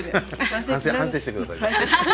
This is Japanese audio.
反省して下さい。